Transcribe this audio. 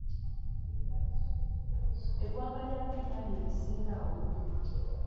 Eggwanga erya Kenya lye lisinga okulima.